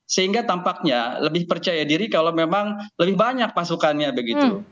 sehingga tampaknya lebih percaya diri kalau memang lebih banyak pasukannya begitu